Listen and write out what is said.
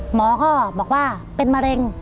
หมอก็บอกว่าเป็นมะเร็ง